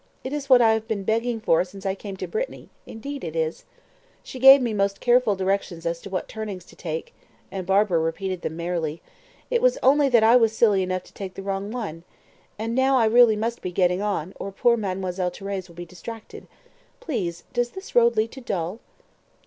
It is what I have been begging for since I came to Brittany indeed it is. She gave me most careful directions as to what turnings to take" and Barbara repeated them merrily "it was only that I was silly enough to take the wrong one. And now I really must be getting on, or poor Mademoiselle Thérèse will be distracted. Please, does this road lead to Dol?"